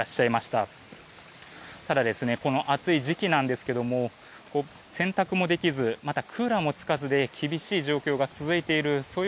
ただ、この暑い時期なんですが洗濯もできずまたクーラーもつかずで厳しい状況が続いているそう